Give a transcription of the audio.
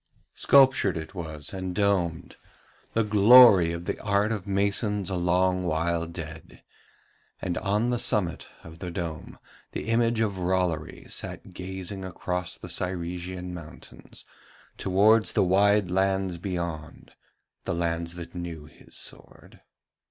Sculptured it was and domed, the glory of the art of masons a long while dead, and on the summit of the dome the image of Rollory sat gazing across the Cyresian mountains towards the wide lands beyond, the lands that knew his sword.